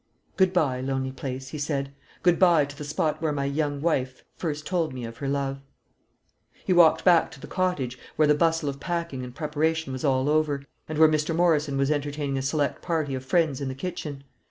"Good bye, lonely place," he said; "good bye to the spot where my young wife first told me of her love." He walked back to the cottage, where the bustle of packing and preparation was all over, and where Mr. Morrison was entertaining a select party of friends in the kitchen.